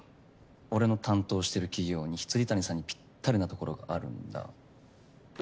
俺の担当してる企業に未谷さんにぴったりなところがあるんだ。